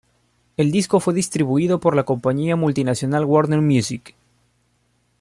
El disco fue distribuido por la compañía multinacional Warner Music.